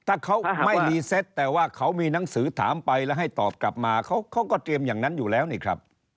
ถ้าเขาไม่รีเซตแต่ว่าเขามีหนังสือถามไปแล้วให้ตอบกลับมาเขาก็เตรียมอย่างนั้นอยู่แล้วนี่ครับ